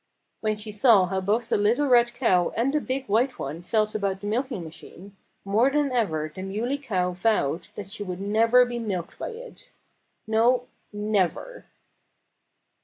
When she saw how both the little red cow and the big white one felt about the milking machine, more than ever the Muley Cow vowed that she would never be milked by it. No, never!